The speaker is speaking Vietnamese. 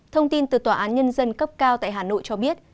thông tin từ tòa án nhân dân cấp cao tại hà nội cho biết